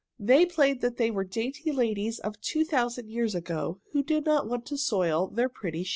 They played they were dainty ladies of two thousand years ago who did not want to soil their pretty shoes.